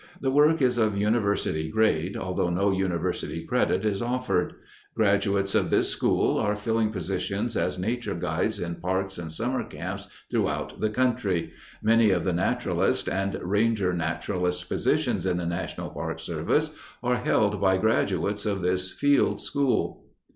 The work is of university grade, although no university credit is offered. Graduates of this school are filling positions as nature guides in parks and summer camps throughout the country. Many of the naturalist and ranger naturalist positions in the National Park Service are held by graduates of this field school.